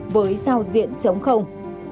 với sao diện chống không